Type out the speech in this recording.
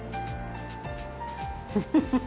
フフフッ。